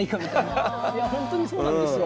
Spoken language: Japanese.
いや本当にそうなんですよ。